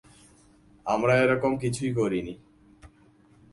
আমরা এরকম কিছুই করিনি।